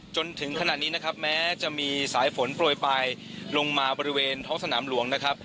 จนถึงขณะนี้นะครับแม้จะมีสายฝนโปรยปลายลงมาบริเวณท้องสนามหลวงนะครับ